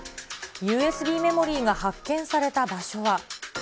ＵＳＢメモリーが発見された場所は。